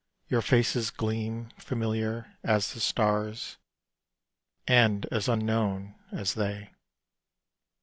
Your faces gleam familiar as the stars, And as unknown as they.